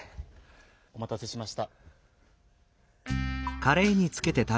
おまたせしました。